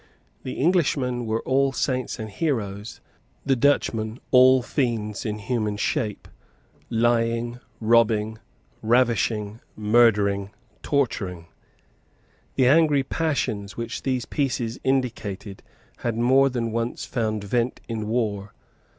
The Englishmen were all saints and heroes; the Dutchmen all fiends in human shape, lying, robbing, ravishing, murdering, torturing. The angry passions which these pieces indicated had more than once found vent in war.